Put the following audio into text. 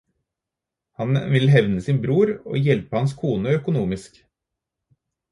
Han vil hevne sin bror og hjelpe hans kone økonomisk.